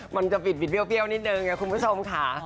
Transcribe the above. มันจะบิดเบี้ยวนิดนึงคุณผู้ชมค่ะ